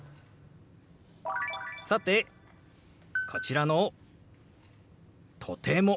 さてこちらの「とても」。